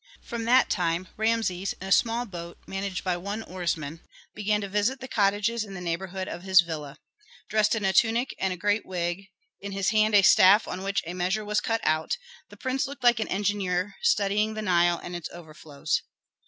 From that time Rameses, in a small boat managed by one oarsman, began to visit the cottages in the neighborhood of his villa. Dressed in a tunic and a great wig, in his hand a staff on which a measure was cut out, the prince looked like an engineer studying the Nile and its overflows.